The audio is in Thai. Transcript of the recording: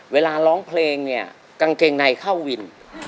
ร้องเพลงเนี่ยกางเกงในเข้าวิน